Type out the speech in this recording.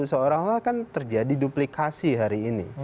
seolah olah kan terjadi duplikasi hari ini